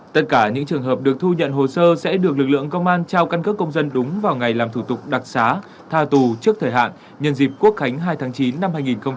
tất cả những trường hợp được thu nhận hồ sơ sẽ được lực lượng công an trao căn cước công dân đúng vào ngày làm thủ tục đặc xá tha tù trước thời hạn nhân dịp quốc khánh hai tháng chín năm hai nghìn hai mươi